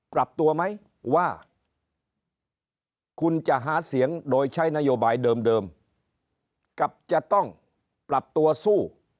ปรับตัวไหมว่าคุณจะหาเสียงโดยใช้นโยบายเดิมกับจะต้องปรับตัวสู้